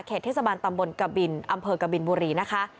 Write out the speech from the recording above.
เทศบาลตำบลกบินอำเภอกบินบุรีนะคะ